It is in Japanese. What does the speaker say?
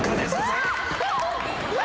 何？